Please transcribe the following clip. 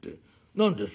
何です？」。